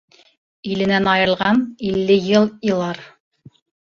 Иленән айырылған илле йыл илар.